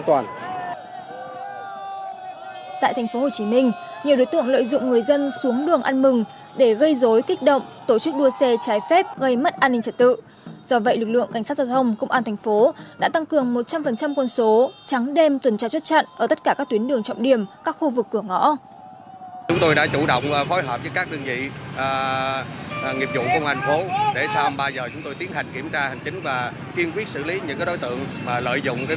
tại tp hcm nhiều đối tượng lợi dụng người dân xuống đường an mừng để gây dối kích động tổ chức đua xe trái phép gây mất an ninh trật tự do vậy lực lượng cảnh sát giao thông công an tp đã tăng cường một trăm linh con số trắng đem tuần tra chốt chặn ở tất cả các tuyến đường trọng điểm các khu vực cửa ngõ